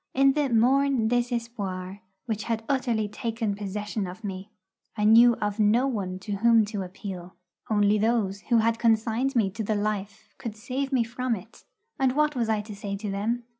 In the morne désespoir which had utterly taken possession of me, I knew of no one to whom to appeal. Only those who had consigned me to the life could save me from it, and what was I to say to them?